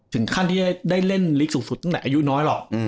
ถึงขั้นที่จะได้เล่นลีกสูงสุดตั้งแต่อายุน้อยหรอก